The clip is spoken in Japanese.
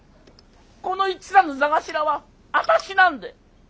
この一座の座頭はあたしなんで！